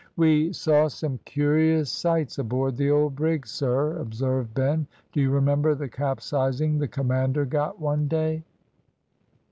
"We saw some curious sights aboard the old brig, sir," observed Ben. "Do you remember the capsizing the commander got one day?"